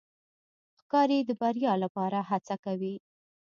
ښکاري د بریا لپاره هڅه کوي.